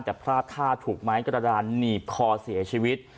แต่พลาดท่าถูกไม้กระดานหนีบคอเสียชีวิต